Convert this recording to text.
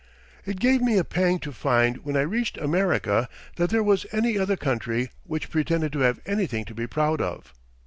It gave me a pang to find when I reached America that there was any other country which pretended to have anything to be proud of.